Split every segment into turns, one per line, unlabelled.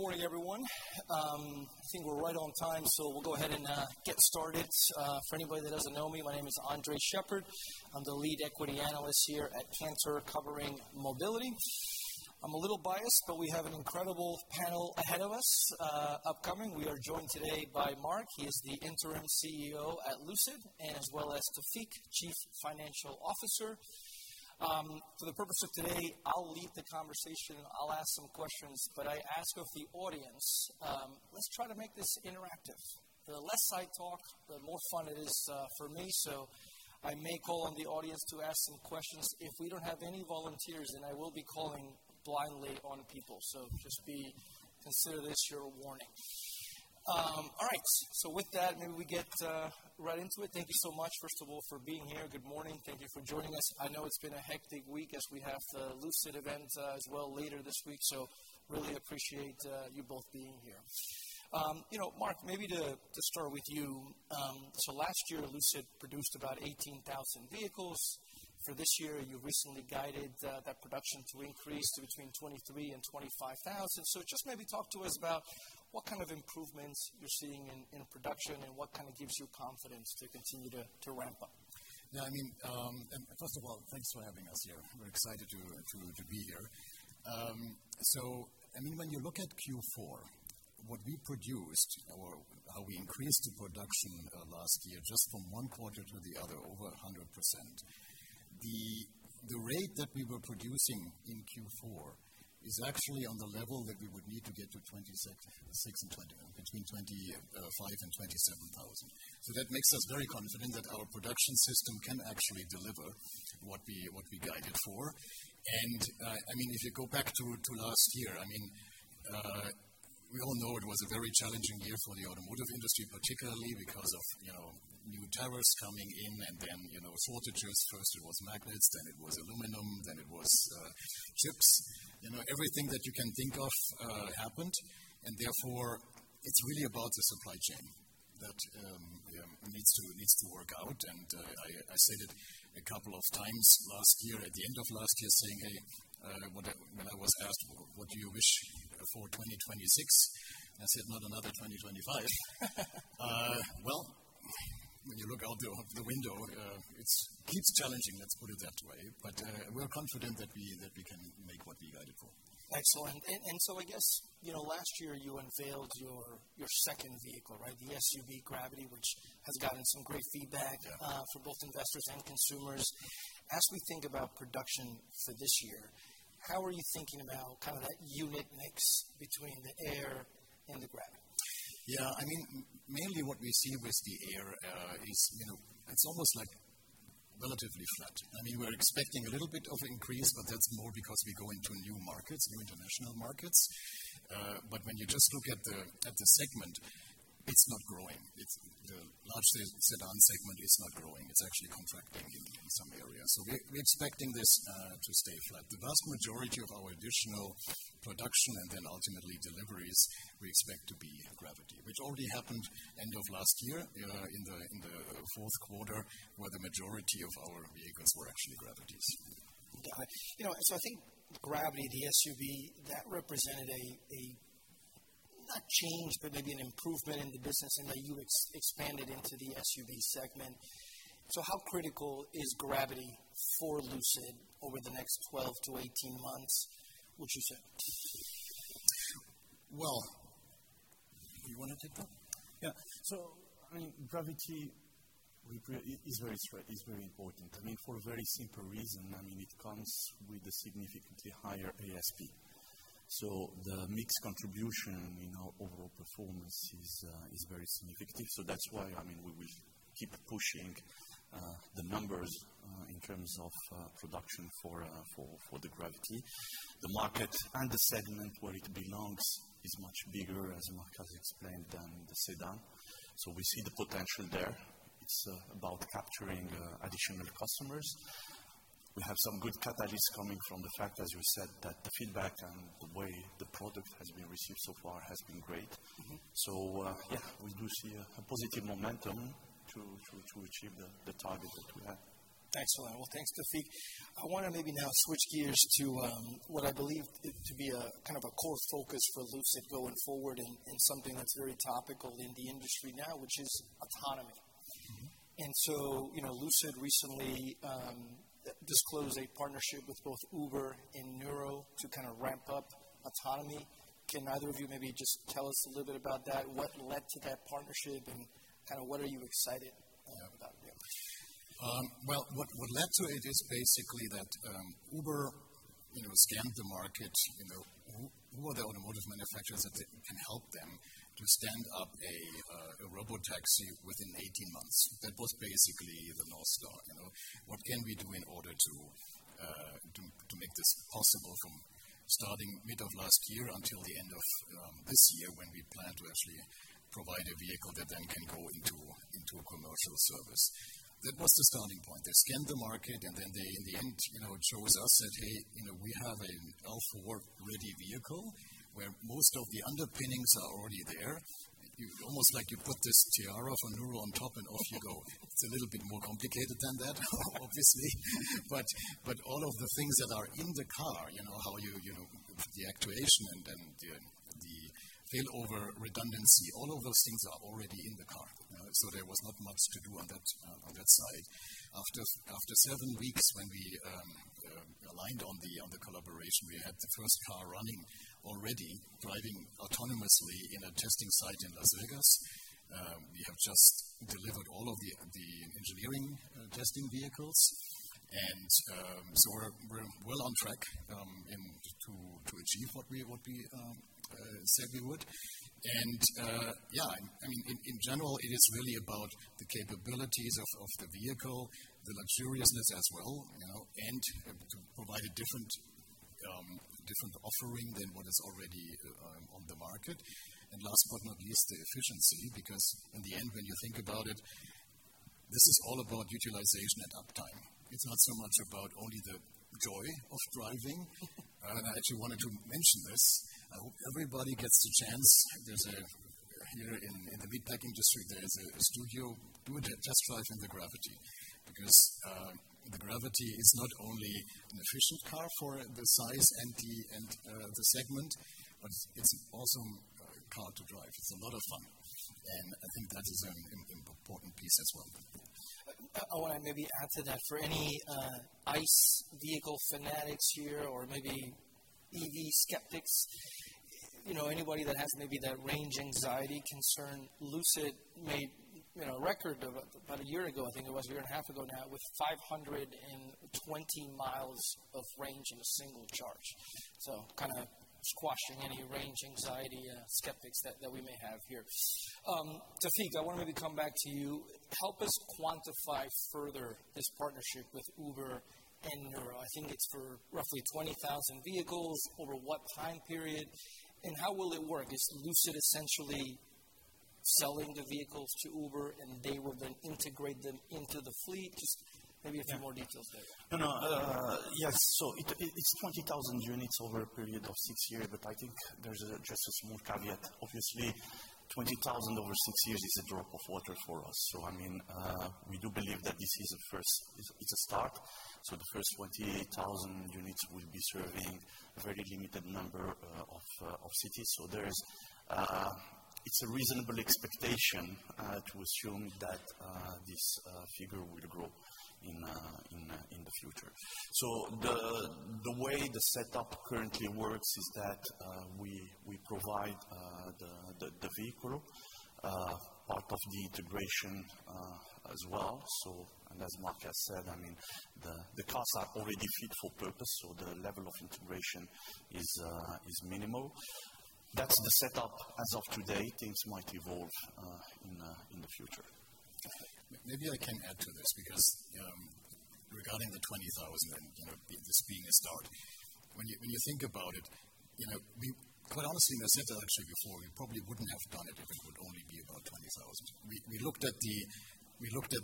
Good morning, everyone. I think we're right on time, so we'll go ahead and get started. For anybody that doesn't know me, my name is Andres Sheppard. I'm the lead equity analyst here at Cantor covering mobility. I'm a little biased, but we have an incredible panel ahead of us, upcoming. We are joined today by Marc Winterhoff, he is the Interim CEO at Lucid, and as well as Taoufiq Boussaid, Chief Financial Officer. For the purpose of today, I'll lead the conversation. I'll ask some questions, but I ask of the audience, let's try to make this interactive. The less I talk, the more fun it is for me. I may call on the audience to ask some questions. If we don't have any volunteers, then I will be calling blindly on people. Consider this your warning. All right, with that, maybe we get right into it. Thank you so much, first of all, for being here. Good morning. Thank you for joining us. I know it's been a hectic week as we have the Lucid event as well later this week, so really appreciate you both being here. You know, Mark, maybe to start with you. Last year, Lucid produced about 18,000 vehicles. For this year, you recently guided that production to increase to between 23,000 and 25,000. Just maybe talk to us about what kind of improvements you're seeing in production and what kind of gives you confidence to continue to ramp up.
Yeah, I mean, first of all, thanks for having us here. We're excited to be here. I mean, when you look at Q4, what we produced or how we increased the production last year, just from one quarter to the other, over 100%. The rate that we were producing in Q4 is actually on the level that we would need to get to between 25 and 27,000. That makes us very confident that our production system can actually deliver what we guided for. I mean, if you go back to last year, I mean, we all know it was a very challenging year for the automotive industry, particularly because of, you know, new tariffs coming in and then, you know, shortages. First it was magnets, then it was aluminum, then it was chips. You know, everything that you can think of happened, and therefore it's really about the supply chain that you know needs to work out. I said it a couple of times last year, at the end of last year saying, "Hey," when I was asked, "What do you wish for 2026?" I said, "Not another 2025." Well, when you look out the window, it's challenging, let's put it that way. We're confident that we can make what we guided for.
Excellent. I guess, you know, last year you unveiled your second vehicle, right? The SUV Gravity, which has gotten some great feedback.
Yeah.
from both investors and consumers. As we think about production for this year, how are you thinking about kind of that unit mix between the Air and the Gravity?
Yeah, I mean, mainly what we see with the Air is, you know, it's almost like relatively flat. I mean, we're expecting a little bit of increase, but that's more because we go into new markets, new international markets. But when you just look at the segment, it's not growing. The large sedan segment is not growing. It's actually contracting in some areas. We're expecting this to stay flat. The vast majority of our additional production and then ultimately deliveries we expect to be Gravity, which already happened end of last year, in the fourth quarter, where the majority of our vehicles were actually Gravities.
Got it. You know, so I think Gravity, the SUV, that represented not a change, but maybe an improvement in the business in that you expanded into the SUV segment. How critical is Gravity for Lucid over the next 12-18 months, would you say?
Well, you wanna take that one?
Yeah. I mean, Gravity is very important. I mean, for a very simple reason. I mean, it comes with a significantly higher ASP. The mix contribution in our overall performance is very significant. That's why, I mean, we will keep pushing the numbers in terms of production for the Gravity. The market and the segment where it belongs is much bigger, as Mark has explained, than the sedan. We see the potential there. It's about capturing additional customers. We have some good catalysts coming from the fact, as you said, that the feedback and the way the product has been received so far has been great.
Mm-hmm.
Yeah, we do see a positive momentum.
Mm-hmm.
to achieve the target that we have.
Excellent. Well, thanks, Taoufiq. I wanna maybe now switch gears to what I believe it to be a kind of a core focus for Lucid going forward and something that's very topical in the industry now, which is autonomy.
Mm-hmm.
You know, Lucid recently disclosed a partnership with both Uber and Nuro to kind of ramp up autonomy. Can either of you maybe just tell us a little bit about that? What led to that partnership, and kind of what are you excited about there?
What led to it is basically that, Uber, you know, scanned the market. You know, who are the automotive manufacturers that they can help them to stand up a robotaxi within 18 months? That was basically the North Star, you know? What can we do in order to make this possible from starting mid of last year until the end of this year when we plan to actually provide a vehicle that then can go into commercial service? That was the starting point. They scanned the market and then they in the end, you know, chose us, said, "Hey, you know, we have a L4-ready vehicle where most of the underpinnings are already there." Almost like you put this tiara from Nuro on top and off you go. It's a little bit more complicated than that, obviously. All of the things that are in the car, you know, how you know, the actuation and then the failover redundancy, all of those things are already in the car, so there was not much to do on that, on that side. After seven weeks when we aligned on the collaboration, we had the first car running already driving autonomously in a testing site in Las Vegas. We have just delivered all of the engineering testing vehicles. We're well on track to achieve what we said we would. Yeah, I mean, in general, it is really about the capabilities of the vehicle, the luxuriousness as well, you know, and to provide a different offering than what is already on the market. Last but not least, the efficiency, because in the end, when you think about it, this is all about utilization and uptime. It's not so much about only the joy of driving. I actually wanted to mention this. I hope everybody gets the chance. Here in the big tech industry, there is a studio. Do the test drive in the Gravity, because the Gravity is not only an efficient car for the size and the segment, but it's an awesome car to drive. It's a lot of fun, and I think that is an important piece as well.
I wanna maybe add to that. For any ICE vehicle fanatics here, or maybe EV skeptics, you know, anybody that has maybe that range anxiety concern, Lucid made, you know, a record of about a year ago, I think it was, a year and a half ago now, with 520 miles of range in a single charge. Kind of squashing any range anxiety skeptics that we may have here. Taoufiq, I wanna maybe come back to you. Help us quantify further this partnership with Uber and Nuro. I think it's for roughly 20,000 vehicles. Over what time period, and how will it work? Is Lucid essentially selling the vehicles to Uber, and they will then integrate them into the fleet? Just maybe a few more details there.
No, no. Yes. It's 20,000 units over a period of 6 years, but I think there's just a small caveat. Obviously, 20,000 over 6 years is a drop in the bucket for us. I mean, we do believe that this is a first. It's a start. The first 20,000 units will be serving a very limited number of cities. It's a reasonable expectation to assume that this figure will grow in the future. The way the setup currently works is that we provide the vehicle part of the integration as well. And as Mark has said, I mean, the cars are already fit for purpose, so the level of integration is minimal. That's the setup as of today. Things might evolve in the future.
Maybe I can add to this because, regarding the 20,000 and, you know, this being a start, when you think about it, you know, quite honestly, and I said that actually before, we probably wouldn't have done it if it would only be about 20,000. We looked at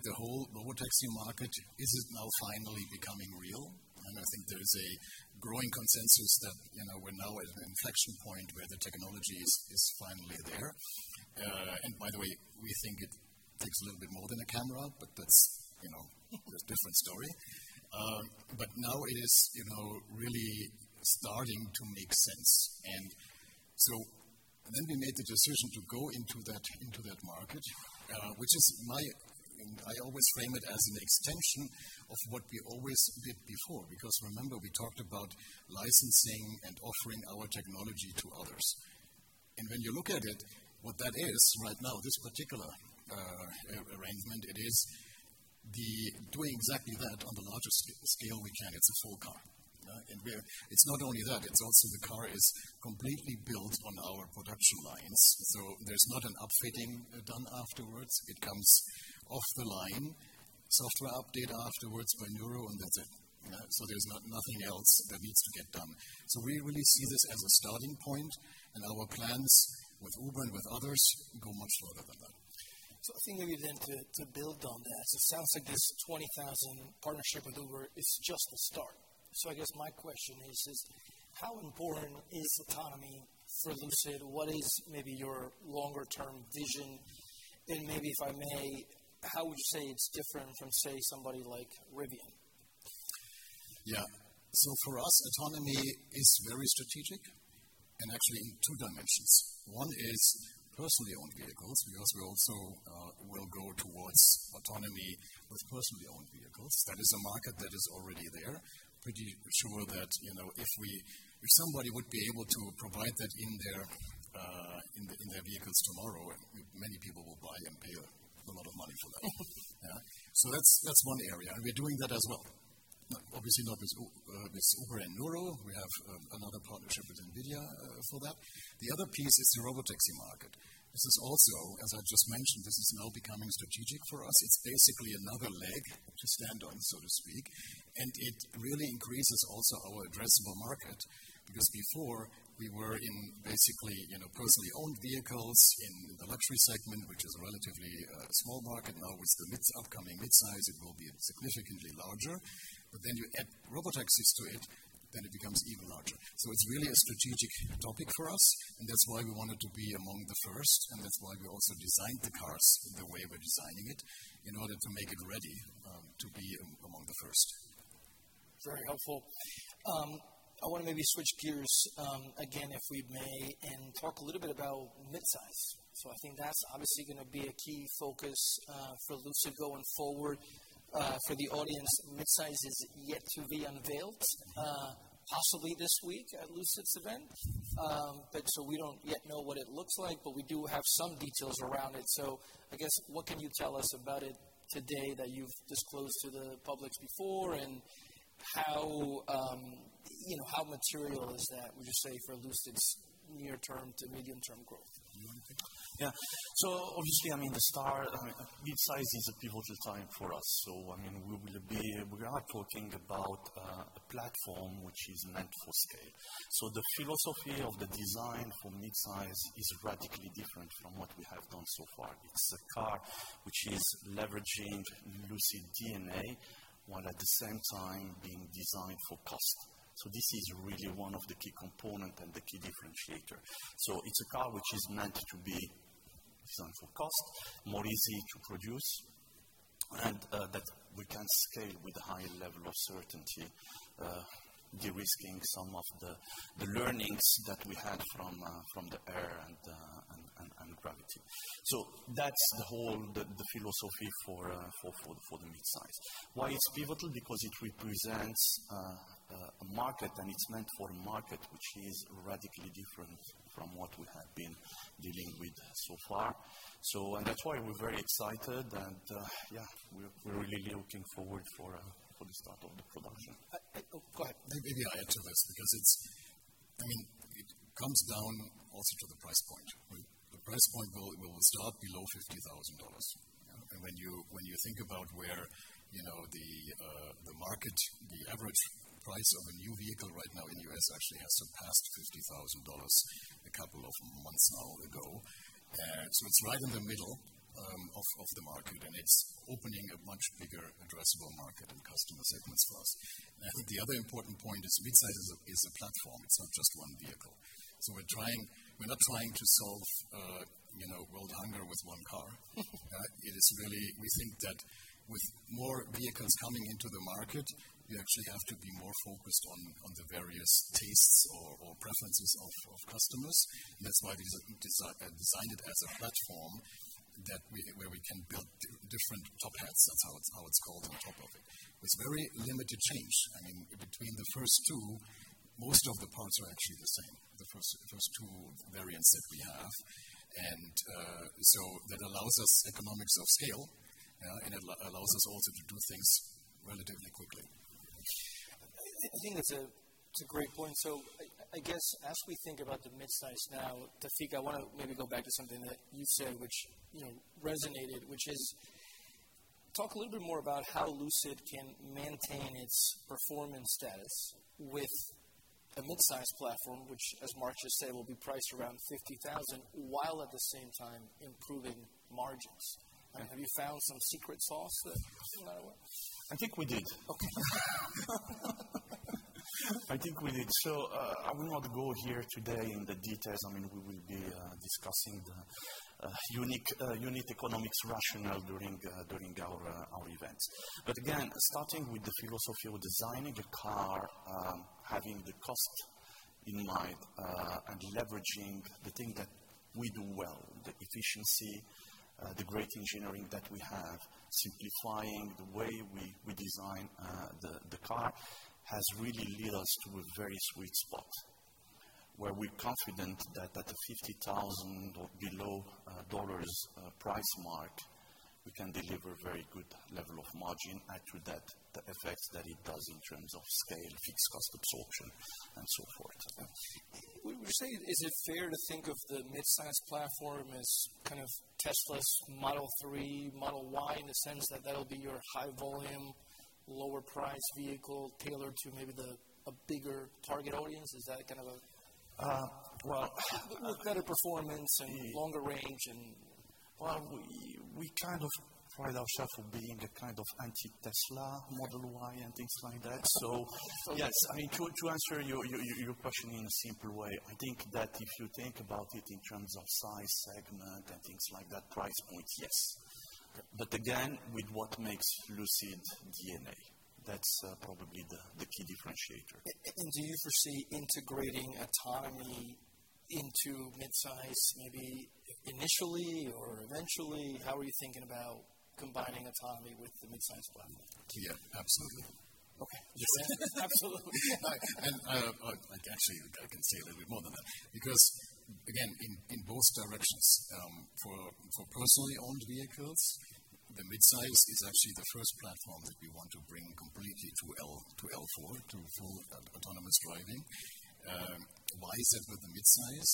the whole robotaxi market. Is it now finally becoming real? I think there is a growing consensus that, you know, we're now at an inflection point where the technology is finally there. By the way, we think it takes a little bit more than a camera, but that's, you know, a different story. Now it is, you know, really starting to make sense. We made the decision to go into that market, which is my. I always frame it as an extension of what we always did before. Because remember, we talked about licensing and offering our technology to others. When you look at it, what that is right now, this particular arrangement, it is doing exactly that on the largest scale we can. It's a full car. It's not only that, it's also the car is completely built on our production lines, so there's not an upfitting done afterwards. It comes off the line, software update afterwards by Nuro, and that's it. There's nothing else that needs to get done. We really see this as a starting point, and our plans with Uber and with others go much further than that.
I think maybe then to build on that, it sounds like this 20,000 partnership with Uber is just the start. I guess my question is how important is autonomy for Lucid? What is maybe your longer term vision? Maybe, if I may, how would you say it's different from, say, somebody like Rivian?
Yeah. For us, autonomy is very strategic, and actually in two dimensions. One is personally owned vehicles, because we also will go towards autonomy with personally owned vehicles. That is a market that is already there. Pretty sure that, you know, if somebody would be able to provide that in their vehicles tomorrow, many people will buy and pay a lot of money for that. Yeah. That's one area, and we're doing that as well. Obviously not with Uber and Nuro. We have another partnership with NVIDIA for that. The other piece is the robotaxi market. This is also, as I just mentioned, this is now becoming strategic for us. It's basically another leg to stand on, so to speak. It really increases also our addressable market, because before we were in basically, you know, personally owned vehicles in the luxury segment, which is a relatively small market. Now with the upcoming midsize, it will be significantly larger. Then you add robotaxis to it, then it becomes even larger. It's really a strategic topic for us, and that's why we wanted to be among the first, and that's why we also designed the cars the way we're designing it, in order to make it ready to be among the first.
Very helpful. I wanna maybe switch gears, again if we may, and talk a little bit about midsize. I think that's obviously gonna be a key focus for Lucid going forward. For the audience, midsize is yet to be unveiled, possibly this week at Lucid's event. We don't yet know what it looks like, but we do have some details around it. I guess, what can you tell us about it today that you've disclosed to the public before, and how, you know, how material is that, would you say, for Lucid's near term to medium term growth?
Yeah. Obviously, I mean, I mean, midsize is a pivotal time for us. I mean, we are talking about a platform which is meant for scale. The philosophy of the design for midsize is radically different from what we have done so far. It's a car which is leveraging Lucid DNA, while at the same time being designed for cost. This is really one of the key component and the key differentiator. It's a car which is meant to be done for cost, more easy to produce, and that we can scale with a high level of certainty, de-risking some of the learnings that we had from the Air and Gravity. That's the philosophy for the midsize. Why it's pivotal? Because it represents a market and it's meant for a market which is radically different from what we have been dealing with so far. That's why we're very excited and yeah, we're really looking forward for the start of the production.
Oh, go ahead.
Let me add to this because it's. I mean, it comes down also to the price point. The price point will start below $50,000. When you think about where, you know, the market, the average price of a new vehicle right now in the U.S. actually has surpassed $50,000 a couple of months now ago. So it's right in the middle of the market, and it's opening a much bigger addressable market and customer segments for us. I think the other important point is midsize is a platform. It's not just one vehicle. We're trying. We're not trying to solve, you know, world hunger with one car. It is really, we think that with more vehicles coming into the market, we actually have to be more focused on the various tastes or preferences of customers. That's why we designed it as a platform where we can build different top hats, that's how it's called on top of it. With very limited change. I mean, between the first two, most of the parts are actually the same, the first two variants that we have. That allows us economies of scale, and it allows us also to do things relatively quickly.
I think that's a great point. I guess as we think about the midsize now, Taoufiq, I wanna maybe go back to something that you said which, you know, resonated, which is talk a little bit more about how Lucid can maintain its performance status with a midsize platform, which as Marc just said, will be priced around $50,000, while at the same time improving margins. Have you found some secret sauce that somehow works?
I think we did.
Okay.
I think we did. I will not go here today in the details. I mean, we will be discussing the unique economic rationale during our events. Starting with the philosophy of designing a car, having the cost in mind, and leveraging the thing that we do well, the efficiency, the great engineering that we have, simplifying the way we design the car, has really led us to a very sweet spot where we're confident that at the $50,000 or below price mark, we can deliver very good level of margin. Add to that the effects that it does in terms of scale, fixed cost absorption, and so forth. Yeah.
Would you say is it fair to think of the midsize platform as kind of Tesla's Model 3, Model Y, in the sense that that'll be your high volume, lower priced vehicle tailored to maybe a bigger target audience? Is that kind of a-
Well.
With better performance and longer range and.
Well, we kind of pride ourself in being a kind of anti-Tesla Model Y and things like that. Yes. I mean, to answer your question in a simpler way, I think that if you think about it in terms of size, segment, and things like that, price points, yes. Again, with what makes Lucid DNA, that's probably the key differentiator.
Do you foresee integrating autonomy into midsize maybe initially or eventually? How are you thinking about combining autonomy with the midsize platform?
Yeah, absolutely.
Okay.
Yes.
Absolutely.
I actually can say a little bit more than that. Because again, in both directions, for personally owned vehicles, the midsize is actually the first platform that we want to bring completely to L4, to full autonomous driving. Why is that with the midsize?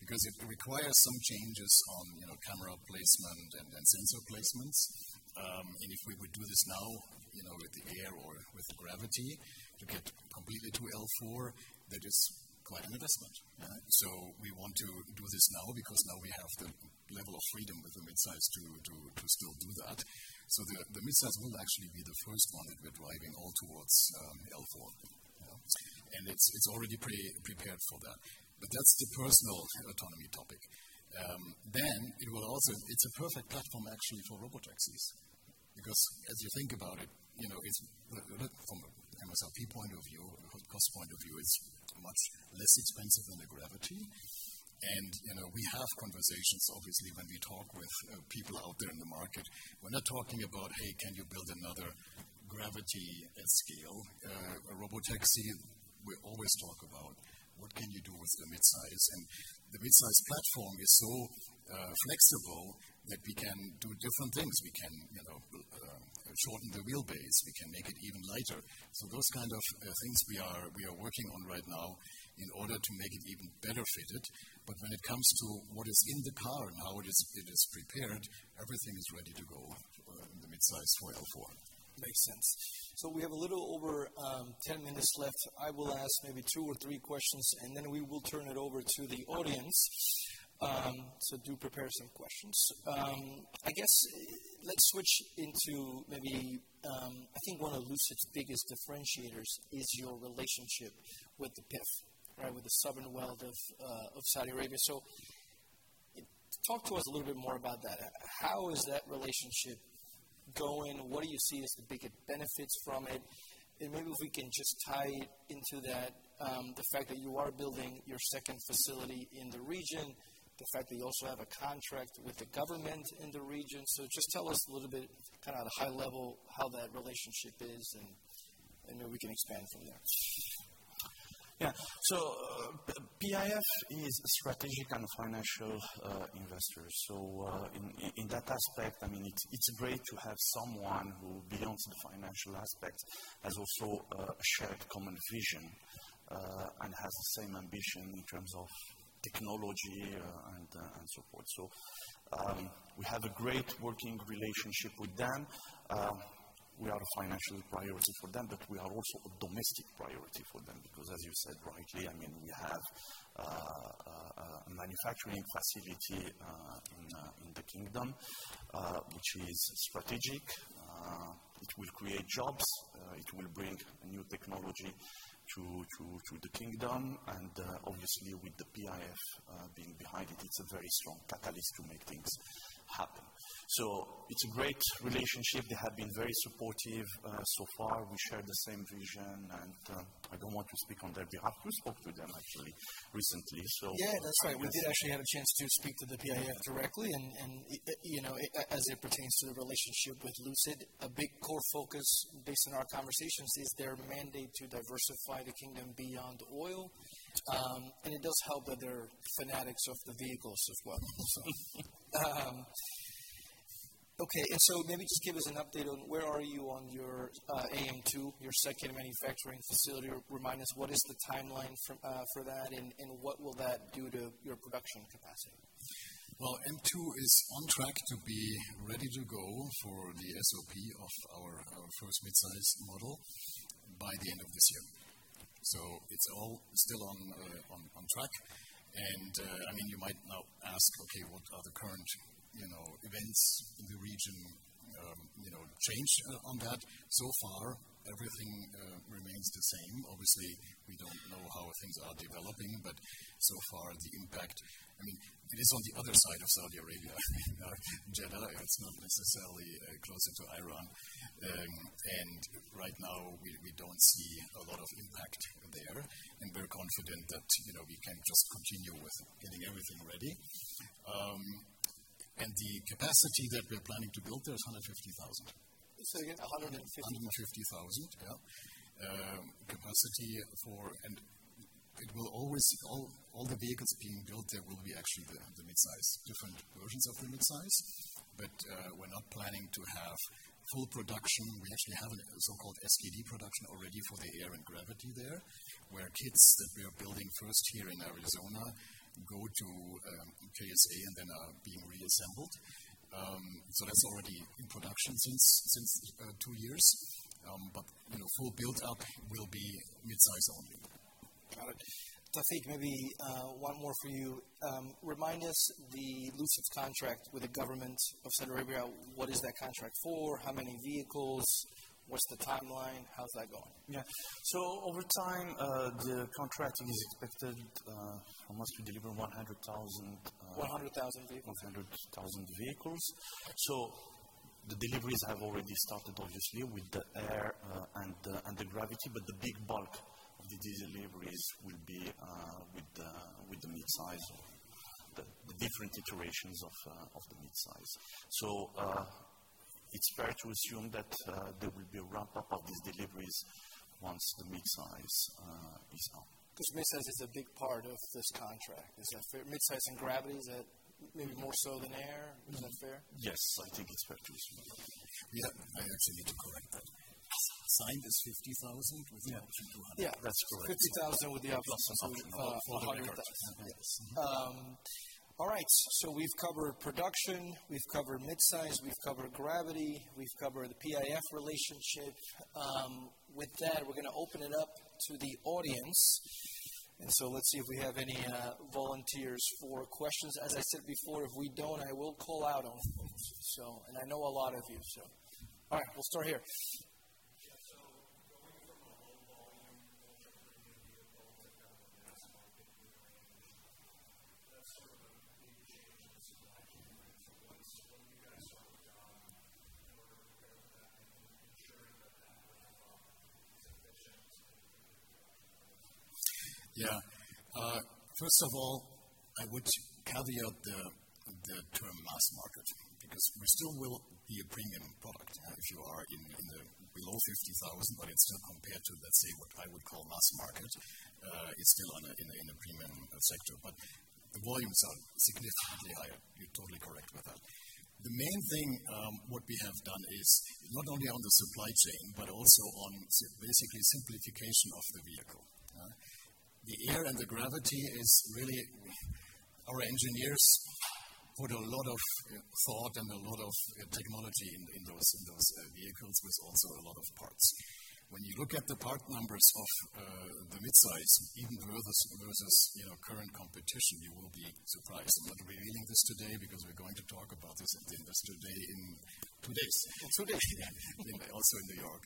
Because it requires some changes on, you know, camera placement and sensor placements. And if we would do this now, you know, with the Air or with Gravity to get completely to L4, that is quite an investment. We want to do this now because now we have the level of freedom with the midsize to still do that. The midsize will actually be the first one that we're driving all towards L4. It's already pre-prepared for that. That's the personal autonomy topic. It's a perfect platform actually for robotaxis. Because as you think about it, you know, from an MSRP point of view, cost point of view, it's much less expensive than the Gravity. You know, we have conversations, obviously, when we talk with people out there in the market. We're not talking about, "Hey, can you build another Gravity at scale?" A robotaxi, we always talk about what can you do with the midsize. The midsize platform is so flexible that we can do different things. We can, you know, shorten the wheelbase, we can make it even lighter. Those kind of things we are working on right now in order to make it even better fitted. When it comes to what is in the car and how it is prepared, everything is ready to go in the midsize L4.
Makes sense. We have a little over 10 minutes left. I will ask maybe two or three questions, and then we will turn it over to the audience. Do prepare some questions. I guess let's switch into maybe I think one of Lucid's biggest differentiators is your relationship with the PIF, right? With the sovereign wealth of Saudi Arabia. Talk to us a little bit more about that. How is that relationship going? What do you see as the biggest benefits from it? Maybe if we can just tie into that, the fact that you are building your second facility in the region, the fact that you also have a contract with the government in the region. Just tell us a little bit, kind of at a high level, how that relationship is and then we can expand from there.
Yeah. PIF is a strategic and financial investor. In that aspect, I mean, it's great to have someone who belongs to the financial aspect, has also a shared common vision, and has the same ambition in terms of technology, and so forth. We have a great working relationship with them. We are a financial priority for them, but we are also a domestic priority for them, because as you said rightly, I mean, we have a manufacturing facility in the kingdom, which is strategic. It will create jobs, it will bring new technology to the kingdom. Obviously with the PIF being behind it's a very strong catalyst to make things happen. It's a great relationship. They have been very supportive, so far. We share the same vision, and I don't want to speak on their behalf. We spoke with them actually recently, so.
Yeah, that's right. We did actually have a chance to speak to the PIF directly and, you know, as it pertains to the relationship with Lucid, a big core focus based on our conversations is their mandate to diversify the kingdom beyond oil. It does help that they're fanatics of the vehicles as well. Maybe just give us an update on where are you on your AMP-2, your second manufacturing facility. Remind us what is the timeline for that and what will that do to your production capacity?
Well, AMP-2 is on track to be ready to go for the SOP of our first midsize model by the end of this year. It's all still on track. I mean, you might now ask, okay, what are the current, you know, events in the region, you know, change on that? So far everything remains the same. Obviously, we don't know how things are developing, but so far the impact I mean, it is on the other side of Saudi Arabia, you know. In Jeddah, it's not necessarily closer to Iran. Right now we don't see a lot of impact there. We're confident that, you know, we can just continue with getting everything ready. The capacity that we're planning to build there is 150,000.
Say again? 150-
150,000. Yeah. It will always all the vehicles being built there will be actually the midsize, different versions of the midsize. We're not planning to have full production. We actually have a so-called SKD production already for the Air and Gravity there, where kits that we are building first here in Arizona go to KSA and then are being reassembled. That's already in production since 2 years. Full build up will be midsize only.
Got it. Taoufiq, maybe, one more for you. Remind us the Lucid contract with the government of Saudi Arabia, what is that contract for? How many vehicles? What's the timeline? How's that going?
Yeah. Over time, the contract is expected almost to deliver 100,000,
100,000 vehicles.
100,000 vehicles. The deliveries have already started obviously with the Air and the Gravity. The big bulk of the deliveries will be with the midsize or the different iterations of the midsize. It's fair to assume that there will be a ramp up of these deliveries once the midsize is out.
Midsize is a big part of this contract. Is that fair? Midsize and Gravity, is that maybe more so than Air? Is that fair?
Yes. I think it's fair to assume that.
Yeah. I actually need to correct that. Signed is 50,000 with the option to 100,000.
Yeah. That's correct.
50,000 with the option-
Plus option of 100,000, yes.
All right, so we've covered production, we've covered midsize, we've covered Gravity, we've covered the PIF relationship. With that, we're gonna open it up to the audience. Let's see if we have any volunteers for questions. As I said before, if we don't, I will call out on. I know a lot of you, so. All right, we'll start here.
Yeah. Going from a low volume ultra-premium vehicle to now a mass-market vehicle, that's sort of a big change in the supply chain. What have you guys done in order to kind of, ensure that that roll-out is efficient?
Yeah. First of all, I would caveat the term mass market because we still will be a premium product, if you are in the below $50,000, but it's still compared to, let's say, what I would call mass market, is still in a premium sector. The volumes are significantly higher. You're totally correct with that. The main thing, what we have done is not only on the supply chain, but also on basically simplification of the vehicle. Yeah. The Air and the Gravity is really our engineers put a lot of thought and a lot of technology in those vehicles, with also a lot of parts. When you look at the part numbers of the midsize, even versus, you know, current competition, you will be surprised. I'm not revealing this today because we're going to talk about this at the Investor Day in two days.
2 days.
In New York.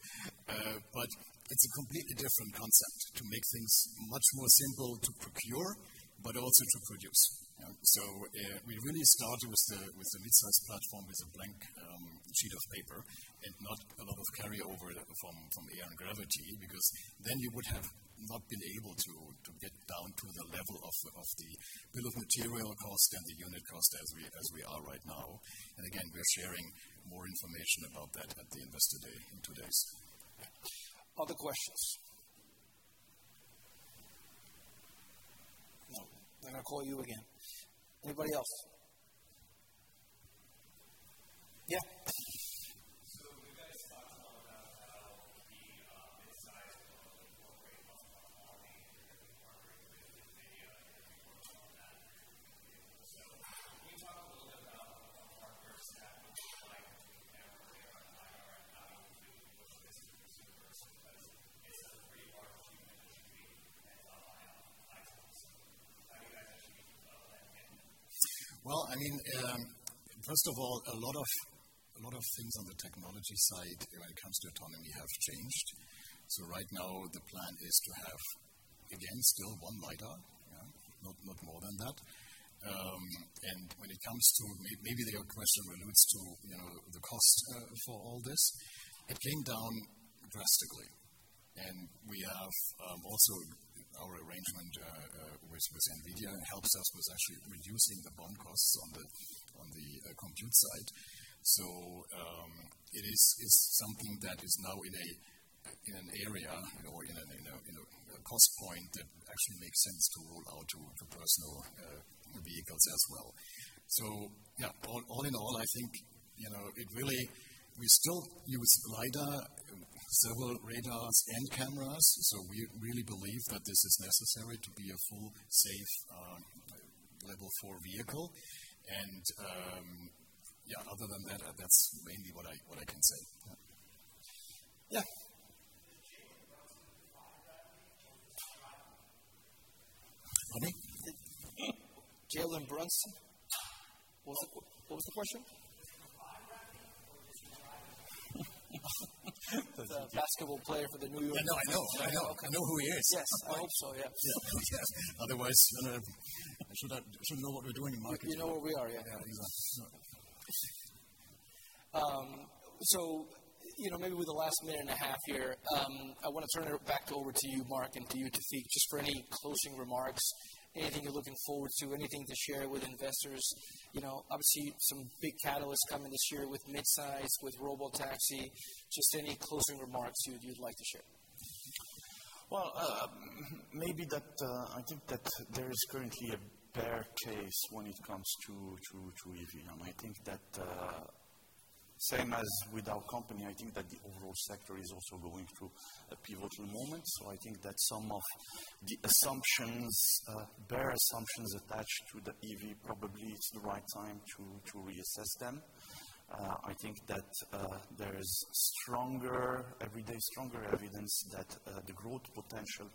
It's a completely different concept to make things much more simple to procure but also to produce. We really started with the midsize platform with a blank sheet of paper and not a lot of carryover from Air and Gravity, because then you would have not been able to get down to the level of the bill of material cost and the unit cost as we are right now. Again, we are sharing more information about that at the Investor Day in two days.
Other questions. No. I call you again. Anybody else? Yeah.
You guys talked a lot about how the midsize will incorporate a lot of autonomy and different partnering with NVIDIA and everything along that. Can you talk a little bit about the partners that you might incorporate on the ADAS to push this to consumers? Because midsize is a pretty large commitment to make without high autonomy. How do you imagine that playing out?
I mean, first of all, a lot of things on the technology side when it comes to autonomy have changed. Right now the plan is to have, again, still one lidar. Yeah. Not more than that. Maybe the question relates to, you know, the cost for all this. It came down drastically. We have also our arrangement with NVIDIA helps us with actually reducing the BOM costs on the compute side. It is something that is now in an area or in a cost point that actually makes sense to roll out to the personal vehicles as well. Yeah, all in all, I think, you know, it really. We still use lidar, several radars and cameras, so we really believe that this is necessary to be a full, safe, level four vehicle. Yeah, other than that's mainly what I can say. Yeah.
Jalen Brunson is buying a Gravity or is he driving one?
Pardon me? Jalen Brunson. What was the question?
Is he buying a Gravity or is he driving one?
The basketball player for the New York
I know. I know who he is.
Yes, I hope so. Yes.
Yeah. Otherwise, I don't know. I shouldn't know what we're doing in marketing.
You know where we are. Yeah.
Yeah.
You know, maybe with the last minute and a half here, I want to turn it back over to you, Mark, and to you, Taoufiq, just for any closing remarks. Anything you're looking forward to, anything to share with investors. You know, obviously some big catalysts coming this year with midsize, with robotaxi. Just any closing remarks you'd like to share.
I think that there is currently a bear case when it comes to EV. I think that same as with our company, I think that the overall sector is also going through a pivotal moment. I think that some of the assumptions, bear assumptions attached to the EV probably it's the right time to reassess them. I think that there is stronger every day evidence that the growth potential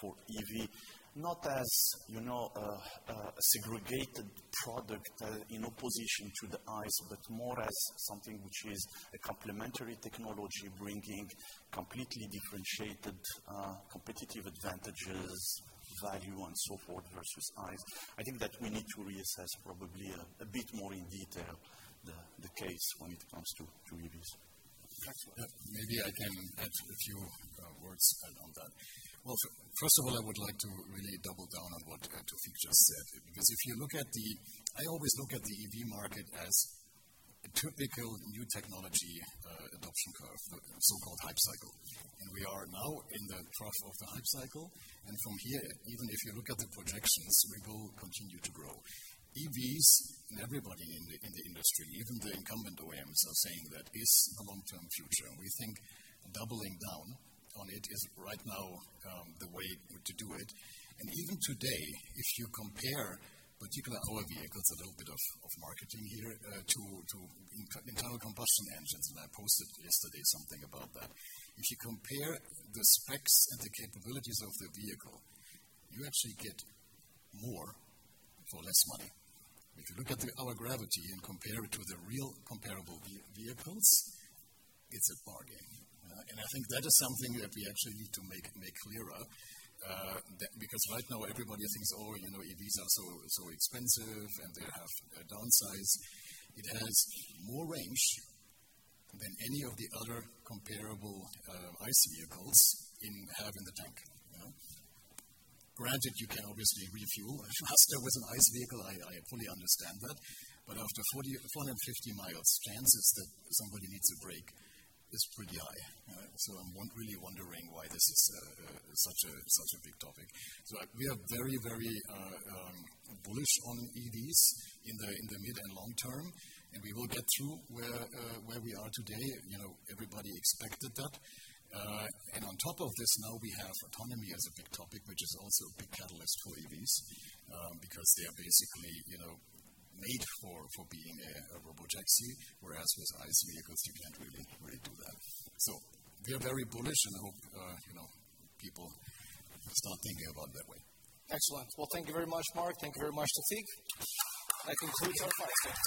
for EV, not as, you know, a segregated product in opposition to the ICE, but more as something which is a complementary technology bringing completely differentiated competitive advantages, value and so forth versus ICE. I think that we need to reassess probably a bit more in detail the case when it comes to EVs.
Excellent.
Maybe I can add a few words on that. Well, first of all, I would like to really double down on what Taoufiq just said, because if you look at, I always look at the EV market as a typical new technology adoption curve, so-called hype cycle. We are now in the trough of the hype cycle. From here, even if you look at the projections, we will continue to grow. EVs and everybody in the industry, even the incumbent OEMs are saying that it's a long-term future. We think doubling down on it is right now the way to do it. Even today, if you compare particularly our vehicles, a little bit of marketing here to internal combustion engines, and I posted yesterday something about that. If you compare the specs and the capabilities of the vehicle, you actually get more for less money. If you look at our Gravity and compare it to the real comparable vehicles, it's a bargain. I think that is something that we actually need to make clearer, that because right now everybody thinks, you know, EVs are so expensive and they have a downside. It has more range than any of the other comparable ICE vehicles have in the tank. Yeah. Granted, you can obviously refuel faster with an ICE vehicle. I fully understand that. After 45 miles, chances that somebody needs a break is pretty high. I'm really wondering why this is such a big topic. We are very bullish on EVs in the mid and long term, and we will get through where we are today. You know, everybody expected that. On top of this, now we have autonomy as a big topic, which is also a big catalyst for EVs, because they are basically, you know, made for being a robotaxi, whereas with ICE vehicles you can't really do that. We are very bullish and I hope, you know, people start thinking about it that way.
Excellent. Well, thank you very much, Marc. Thank you very much, Taoufiq. That concludes our podcast.